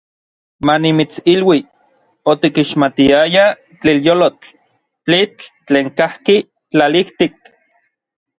Manimitsilui, otikixmatiayaj tlilyolotl, tlitl tlen kajki tlalijtik.